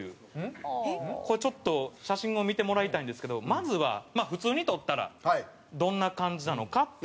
ちょっと写真を見てもらいたいんですけどまずはまあ普通に撮ったらどんな感じなのかっていうのを。